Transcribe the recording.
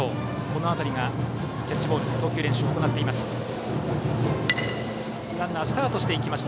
この辺りがキャッチボールの投球練習を行っています。